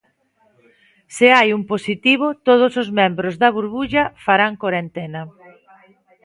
Se hai un positivo, todos os membros da burbulla farán corentena.